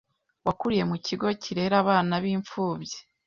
wakuriye mu kigo kirera abana b'imfubyi,